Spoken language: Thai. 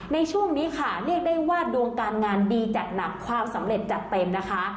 ในช่วงนี้ค่ะเรียกได้ว่าดวงการงานดีจัดหนักความสำเร็จจัดเต็มนะคะ